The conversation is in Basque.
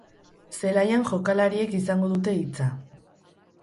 Zelaian jokalariek izango dute hitza.